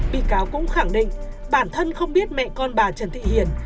bị cáo cũng khẳng định bản thân không biết mẹ con bà trần thị hiền